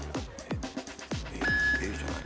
Ａじゃない？